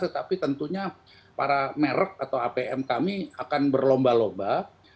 tetapi tentunya para merek atau apm kami akan berlomba lomba